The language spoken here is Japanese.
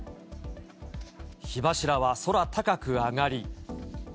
火柱は空高く上がり。